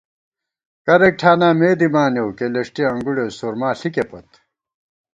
کرېک ٹھاناں مے دِمانېؤ، کېلېݭٹی انگُڑے سرما ݪِکےپت